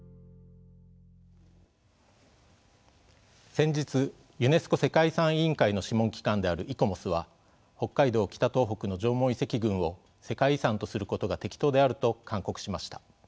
先日ユネスコ世界遺産委員会の諮問機関であるイコモスは北海道・北東北の縄文遺跡群を世界遺産とすることが適当であると勧告しました。